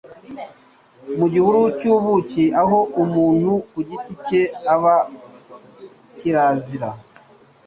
mu gihuru cy'ubuki aho umuntu ku giti cye aba kirazira